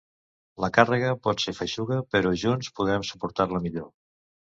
La càrrega pot ser feixuga, però junts podrem suportar-la millor.